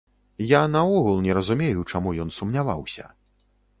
Я наогул не разумею чаму ён сумняваўся?